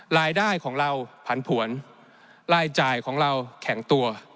รายได้ของเราผันผวนรายจ่ายของเราแข็งตัว